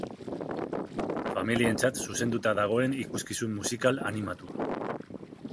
Familientzat zuzenduta dagoen ikuskizun musikal animatua.